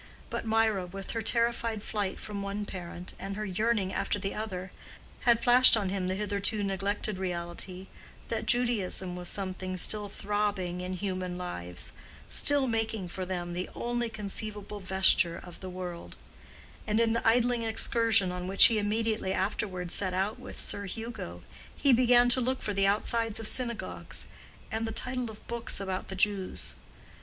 But Mirah, with her terrified flight from one parent, and her yearning after the other, had flashed on him the hitherto neglected reality that Judaism was something still throbbing in human lives, still making for them the only conceivable vesture of the world; and in the idling excursion on which he immediately afterward set out with Sir Hugo he began to look for the outsides of synagogues, and the title of books about the Jews.